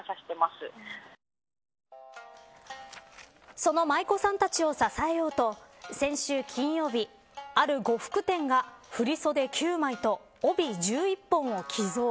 その舞子さんたちを支えようと先週金曜日ある呉服店が振り袖９枚と帯１１本を寄贈。